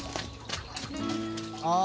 ああ。